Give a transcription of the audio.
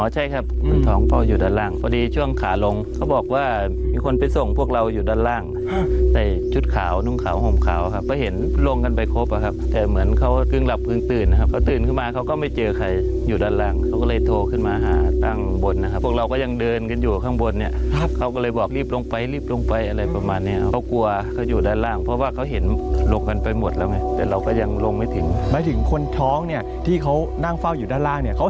อ๋อใช่ครับคนท้องเฝ้าอยู่ด้านล่างพอดีช่วงขาลงเขาบอกว่ามีคนไปส่งพวกเราอยู่ด้านล่างในชุดขาวนุ่งขาวห่มขาวครับก็เห็นลงกันไปครบครับแต่เหมือนเขากึ่งหลับกึ่งตื่นครับเขาตื่นขึ้นมาเขาก็ไม่เจอใครอยู่ด้านล่างเขาก็เลยโทรขึ้นมาหาตั้งบนนะครับพวกเราก็ยังเดินกันอยู่ข้างบนเนี่ยเขาก็เลยบอกรีบลงไปรีบลงไปอะไร